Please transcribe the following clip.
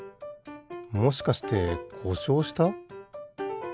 もしかしてこしょうした？